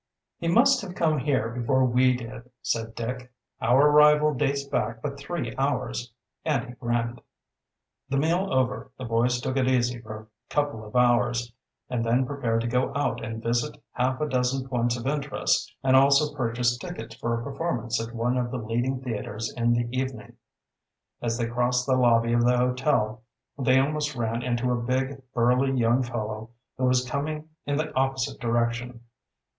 "He must have come here before we did," said Dick. "Our arrival dates back but three hours," and he grinned. The meal over the boys took it easy for a couple of hours, and then prepared to go out and visit half a dozen points of interest and also purchase tickets for a performance at one of the leading theaters in the evening. As they crossed the lobby of the hotel they almost ran into a big, burly young fellow who was coming in the opposite direction.